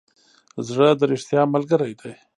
زړه د ریښتیا ملګری دی.